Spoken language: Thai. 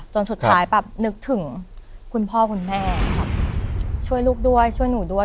จนสุดท้ายแบบนึกถึงคุณพ่อคุณแม่ช่วยลูกด้วยช่วยหนูด้วย